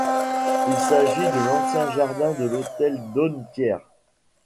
Il s'agit de l’ancien jardin de l’hôtel Dosne-Thiers.